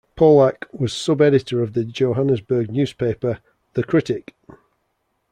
Polak was sub-editor of the Johannesburg paper "The Critic".